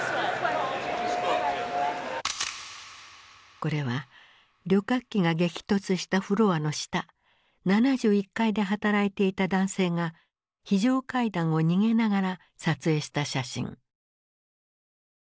これは旅客機が激突したフロアの下７１階で働いていた男性が非常階段を逃げながら撮影した写真。